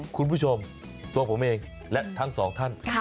คุณผู้ชมตัวผมเองและทั้งสองท่าน